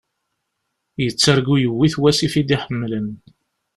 Yettargu yuwi-t wasif i d-iḥemlen.